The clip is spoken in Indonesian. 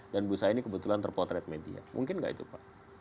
dan ibu saini kebetulan terpotret media mungkin nggak itu pak